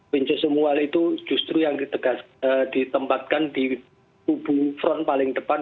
pencet semual itu justru yang ditempatkan di hubung front paling depan